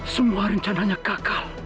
semua rencananya gagal